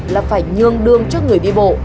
là phải nhường đường cho người đi bộ